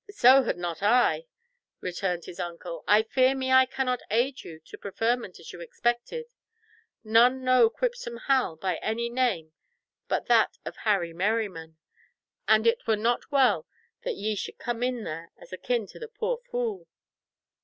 "So had not I," returned his uncle; "I fear me I cannot aid you to preferment as you expected. None know Quipsome Hal by any name but that of Harry Merryman, and it were not well that ye should come in there as akin to the poor fool."